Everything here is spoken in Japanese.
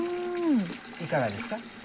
いかがですか？